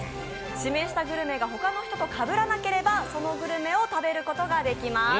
指名したグルメがほかの人とかぶらなければそのグルメを食べることができます。